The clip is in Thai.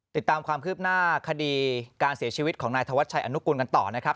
ติดตามความคืบหน้าคดีการเสียชีวิตของนายธวัชชัยอนุกูลกันต่อนะครับ